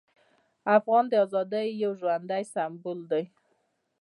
افغان د ازادۍ یو ژوندی سمبول دی.